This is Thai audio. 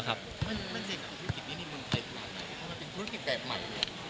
ว่าเป็นคุณคุณแปดใหม่เหรอ